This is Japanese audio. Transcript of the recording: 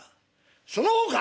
その方か！